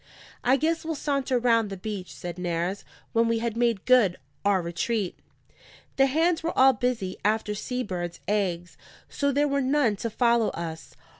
"I guess we'll saunter round the beach," said Nares, when we had made good our retreat. The hands were all busy after sea birds' eggs, so there were none to follow us.